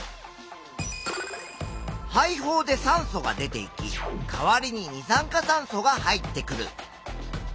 肺胞で酸素が出ていきかわりに二酸化炭素が入ってくる。